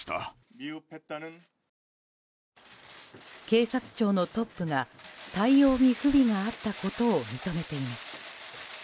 警察庁のトップが対応に不備があったことを認めています。